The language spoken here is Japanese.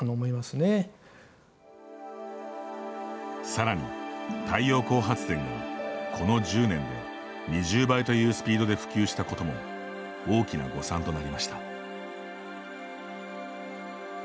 さらに、太陽光発電がこの１０年で２０倍というスピードで普及したことも大きな誤算となりました。